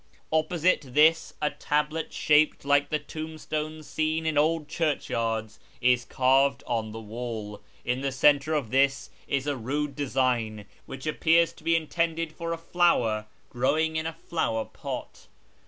Opposite this a tablet shaped like the tombstones seen in old churchyards is carved on the wall. In the centre of this is a rude design, which appears to be intended for a flower growing in a flower pot.